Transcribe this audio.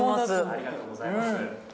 ありがとうございます。